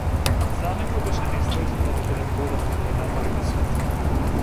За него беше неиздржливо да биде буден кога надвор има светло.